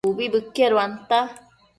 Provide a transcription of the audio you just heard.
Ubi bëqueduanta